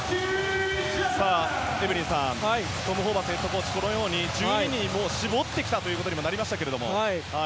エブリンさんトム・ホーバスヘッドコーチはこのように１２人を絞ってきたことになりました。